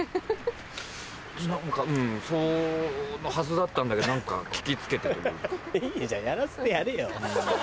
何かうんそのはずだったんだけど何か聞き付けたというか。